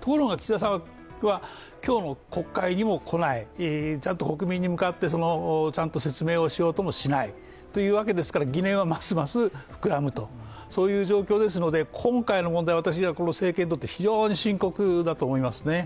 ところが岸田さんは今日の国会にも来ない、ちゃんと国民に向かってちゃんと説明をしようともしないわけですから、疑念はますます膨らむという状況ですので今回の問題、私はこの政権にとって非常に深刻だと思いますね。